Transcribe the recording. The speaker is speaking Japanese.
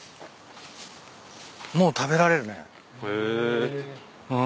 もう食べられるね。へ。